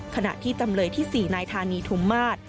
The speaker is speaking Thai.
ขณะที่จำเลยที่๔นายธานีธุมมาศ